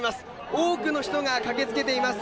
多くの人が駆けつけています。